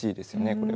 これは。